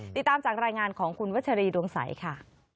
ติดตามจากรายงานของคุณวัชรีดวงใสค่ะ